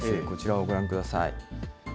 こちらをご覧ください。